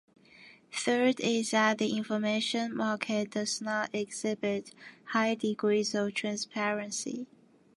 Third is that the information market does not exhibit high degrees of transparency.